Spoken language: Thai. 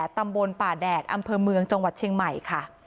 ตำบลป่าแดดอำเภอเมืองจังหวัดเชียงใหม่ค่ะ